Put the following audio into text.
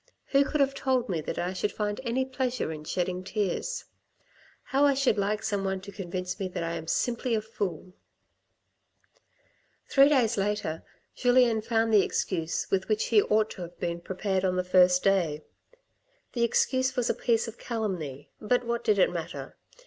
Who could have told me that I should find any pleasure in shedding tears ? How I should like some one to convince me that I am simply a fool !" Three days later, Julien found the excuse with which he ought to have been prepared on the first day ; the excuse was a piece of calumny, but what did it matter